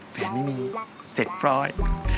แฟนไม่มีเสร็จพร้อย